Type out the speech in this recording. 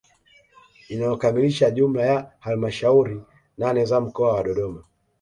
Inayokamilisha jumla ya halamashauri nane za mkoa wa Dodoma